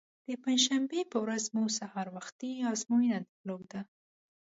د پنجشنبې په ورځ مو سهار وختي ازموینه درلوده.